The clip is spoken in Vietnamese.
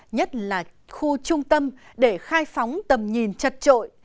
nhất là khu trung tâm để khai phóng tầm nhìn chật trội